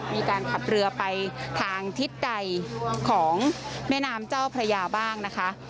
มีการขับเรือไปทางทิศใดของแม่น้ำเจ้าพระยาบ้างนะคะ